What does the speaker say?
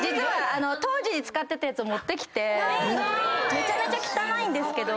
めちゃめちゃ汚いけど。